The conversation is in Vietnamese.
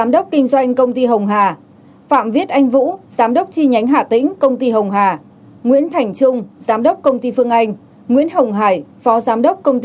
bảy đối tượng gồm